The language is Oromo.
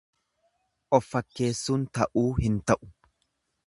Of fakkeessuun ta'uu hin ta'u.